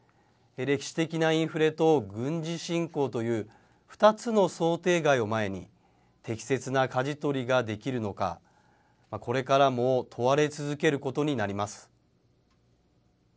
歴史的なインフレと軍事侵攻という、２つの想定外を前に、適切なかじ取りができるのか、これからも問われ続けることになります。